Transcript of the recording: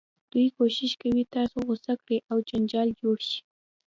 دوی کوښښ کوي چې تاسو غوسه کړي او جنجال جوړ شي.